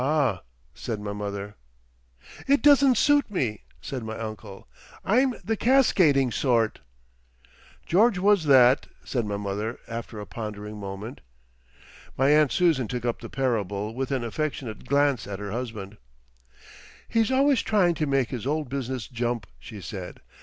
"Ah!" said my mother. "It doesn't suit me," said my uncle. "I'm the cascading sort." "George was that," said my mother after a pondering moment. My aunt Susan took up the parable with an affectionate glance at her husband. "He's always trying to make his old business jump," she said.